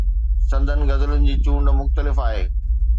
سندن غزلن جي چونڊ مختلف آهي.